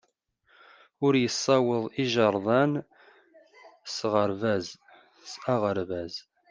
Ur yessawaḍ igerdan s aɣerbaz.